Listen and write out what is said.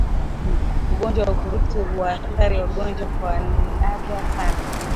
Ugonjwa wa ukurutu hauwaathiri ngombe kwa nadra sana